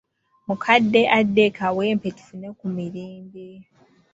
Mukadde adde e Kawempe tufune ku mirembe.